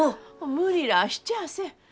無理らあしちゃあせん。